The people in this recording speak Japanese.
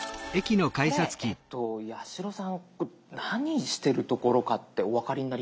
これ八代さん何してるところかってお分かりになりますか？